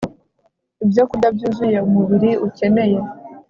ibyokurya byuzuye umubiri ukeneye